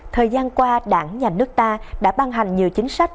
thời gian qua đảng nhà nước ta đã ban hành nhiều chính sách